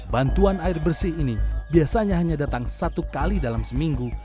bantuan air bersih ini biasanya hanya datang satu kali dalam seminggu